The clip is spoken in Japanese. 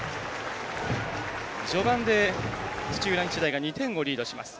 序盤で土浦日大が２点をリードします。